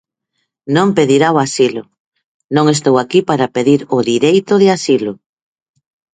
Non pedirá o asilo Non estou aquí para pedir o direito de asilo.